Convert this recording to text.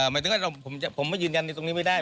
หมายถึงว่าผมไม่ยืนยันในตรงนี้ไม่ได้